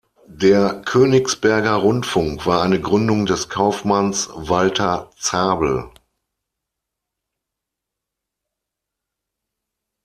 Der Königsberger Rundfunk war eine Gründung des Kaufmanns Walter Zabel.